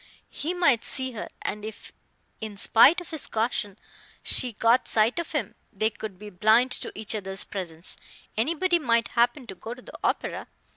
He might see her; and if, in spite of his caution, she caught sight of him, they could be blind to each other's presence anybody might happen to go to the opera.